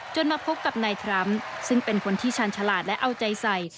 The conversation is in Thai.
มาพบกับนายทรัมป์ซึ่งเป็นคนที่ชาญฉลาดและเอาใจใส่